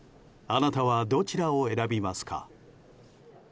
あなたはどちらを選びますか？